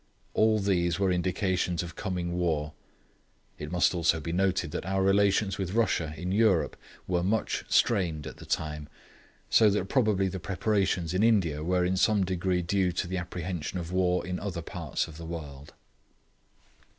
All these were indications of coming war. It must also be noted that our relations with Russia in Europe were much strained at the time, so that probably the preparations in India were in some degree due to the apprehension of war in other parts of the world.